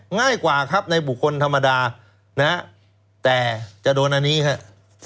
ง่ายกว่าครับในบุคคลธรรมดานะฮะแต่จะโดนอันนี้ครับ